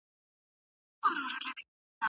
زموږ کلی ډېر ښکلی دی